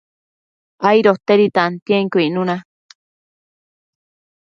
aidotedi tantienquio icnuna